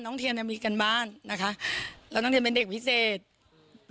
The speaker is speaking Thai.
คุณพ่อเข้าใจผิดคิดว่าลูกเล่นเกม